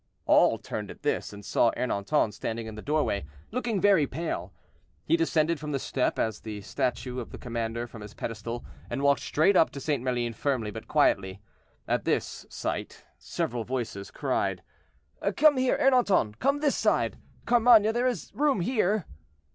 All turned at this, and saw Ernanton standing in the doorway, looking very pale. He descended from the step, as the statue of the commander from his pedestal, and walked straight up to St. Maline, firmly, but quietly. At this sight, several voices cried, "Come here, Ernanton; come this side, Carmainges; there is room here."